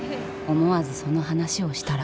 思わずその話をしたら。